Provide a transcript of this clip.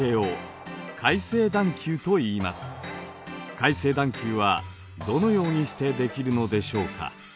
海成段丘はどのようにしてできるのでしょうか。